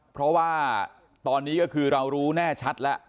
เพราะว่าตอนนี้ก็คือเรารู้แน่ชัดแล้ว